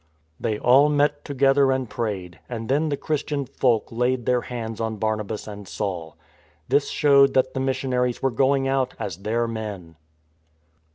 They all met together and prayed, and then the Christian folk laid their hands on Barnabas and Saul. This showed that the missionaries were going out as their men.